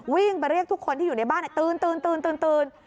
วิ่งไปเรียกทุกคนที่อยู่ในบ้านตื่น